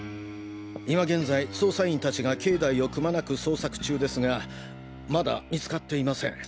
今現在捜査員達が境内をくまなく捜索中ですがまだ見つかっていません。